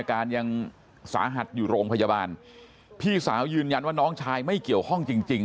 การยังสาหัสอยู่โรงพยาบาลพี่สาวยืนยันว่าน้องชายไม่เกี่ยวข้องจริงจริง